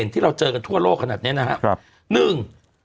ที่เราเจอกันทั่วโลกขนาดเนี้ยนะครับหนึ่ง